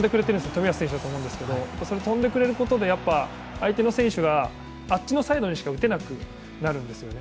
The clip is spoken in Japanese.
冨安選手だと思うんですけどそうやって飛んでくれることで相手の選手があっちのサイドにしか打てなくなるんですよね。